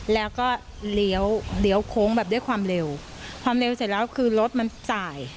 แล้วก็เลี้ยวเลี้ยวโค้งแบบด้วยความเร็วความเร็วเสร็จแล้วคือรถมันสาย